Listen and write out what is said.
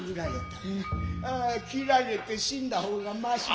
斬られて死んだ方がましじゃ。